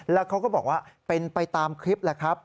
แล้วเขาก็บอกว่าเป็นไปตามคลิปแหละครับ